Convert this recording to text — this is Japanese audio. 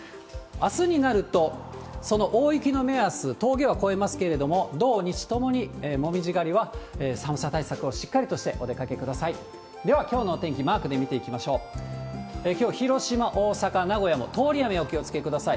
あすになると、その大雪の目安、とうげは越えますけれども、土日ともに紅葉狩りは寒さ対策をしっかりとしてお出かけください。